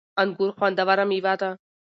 انګور خوندوره مېوه ده